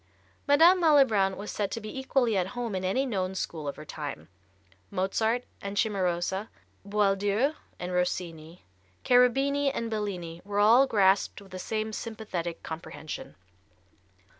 Madame Malibran was said to be equally at home in any known school of her time. Mozart and Cimarosa, Boieldieu and Rossini, Cherubini and Bellini were all grasped with the same sympathetic comprehension.